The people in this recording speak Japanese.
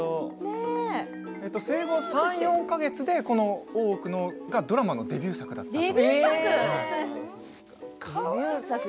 生後、３か月、４か月で「大奥」がドラマのデビュー作だったと。